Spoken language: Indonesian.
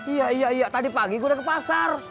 iya iya tadi pagi gue udah ke pasar